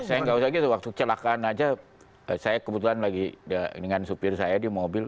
saya nggak usah gitu waktu celakaan aja saya kebetulan lagi dengan supir saya di mobil